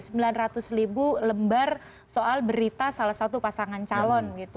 ada sembilan ratus ribu lembar soal berita salah satu pasangan calon gitu